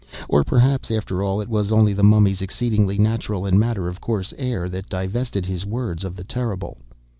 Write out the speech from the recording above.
Or, perhaps, after all, it was only the Mummy's exceedingly natural and matter of course air that divested his words of the terrible.